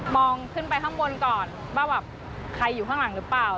ขึ้นไปข้างบนก่อนว่าแบบใครอยู่ข้างหลังหรือเปล่า